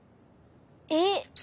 えっ？